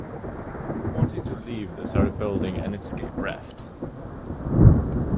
Wanting to leave, they start building an escape raft.